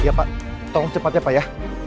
iya pak tolong cepatnya pak ya